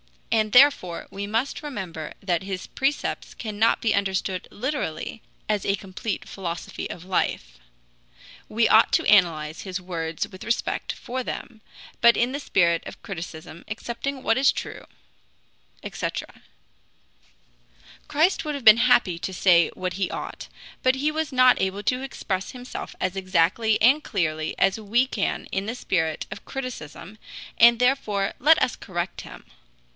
And therefore we must remember that his precepts cannot be understood literally as a complete philosophy of life. We ought to analyze his words with respect for them, but in the spirit of criticism, accepting what is true," etc. Christ would have been happy to say what he ought, but he was not able to express himself as exactly and clearly as we can in the spirit of criticism, and therefore let us correct him.